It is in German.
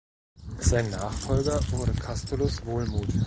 Sein Nachfolger wurde Kastulus Wohlmuth.